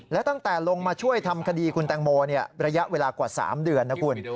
และตั้งแต่ลงมาช่วยทำคดีคุณแตงโมระยะเวลากว่า๓เดือนนะคุณ